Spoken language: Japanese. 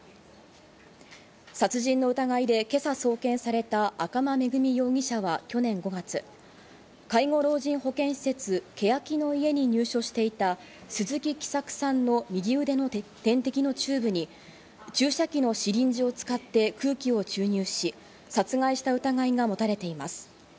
殺人の疑いで今朝送検された赤間恵美容疑者は去年５月、介護老人保健施設、けやきの舎に入所していた鈴木喜作さんの右腕の点滴のチューブに注射器のシリンジを使って空気を注入し、殺害した疑いが持たれています。